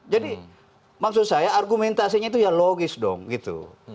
jadi maksud saya argumentasinya itu ya logis dong gitu